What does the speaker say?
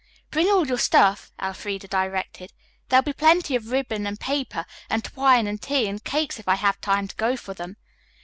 "Bring all your stuff," Elfreda directed. "There will be plenty of paper and ribbon and twine and tea and cakes if I have time to go for them."